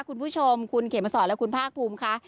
คุณผู้ชมคุณเขมสอนและคุณภาคภูมิค่ะ